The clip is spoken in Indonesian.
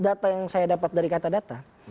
data yang saya dapat dari kata data